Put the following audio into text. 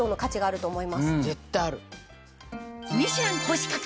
絶対ある。